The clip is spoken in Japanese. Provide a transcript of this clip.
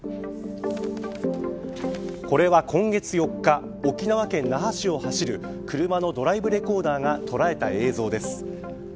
これは今月４日沖縄県、那覇市を走る車のドライブレコーダーが捉えた映像です。